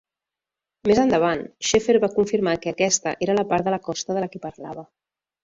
Més endavant, Shepherd va confirmar que aquesta era la part de la costa de la que parlava.